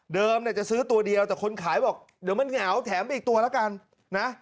จะซื้อตัวเดียวแต่คนขายบอกเดี๋ยวมันเหงาแถมไปอีกตัวแล้วกันนะ